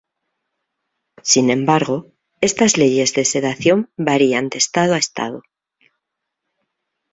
Sin embargo, estas leyes de sedación varían de Estado a estado.